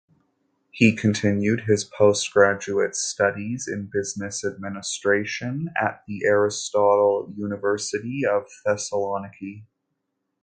He continued his postgraduate studies in Business Administration at the Aristotle University of Thessaloniki.